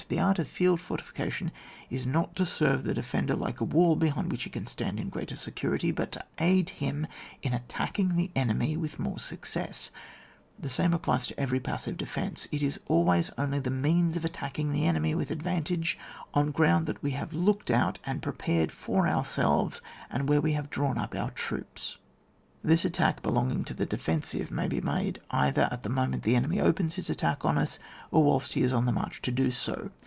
The art of field fortification is not to serve the defender like a wall behind which he can stand in greater security, but to aid him in attacking the enemy with more success, — the same applies to every pas sive defence : it is always only the means of attacking the enemy with advantage on g^oimd &at we have looked out and prepared for ourselves, and where we have drawn up our troops. 7. This attack, belonging to the de fensive, may be made either at the moment the enemy opens his attack on us, or whilst he is on the march to do so.